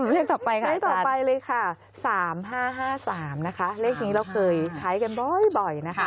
เลขต่อไปเลยค่ะ๓๕๕๓นะคะเลขนี้เราเคยใช้กันบ่อยนะคะ